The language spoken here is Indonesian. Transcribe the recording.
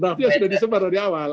draftnya sudah disebar dari awal